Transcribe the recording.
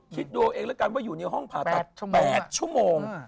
คิดดูเอาเองแล้วกันว่าอยู่ในห้องผ่าตัด๘ชั่วโมง